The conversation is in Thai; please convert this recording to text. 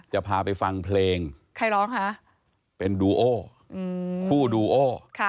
จะพาไปฟังเพลงใครร้องคะเป็นดูโอคู่ดูโอ